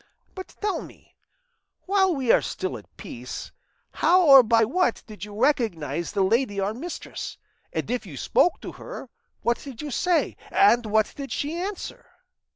But tell me, while we are still at peace, how or by what did you recognise the lady our mistress; and if you spoke to her, what did you say, and what did she answer?"